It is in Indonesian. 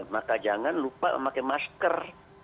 maka jangan lupa memakai masker